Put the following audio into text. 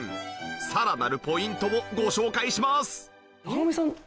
さらなるポイントをご紹介します。